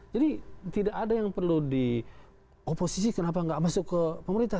jadi tidak ada yang perlu dioposisi kenapa tidak masuk ke pemerintah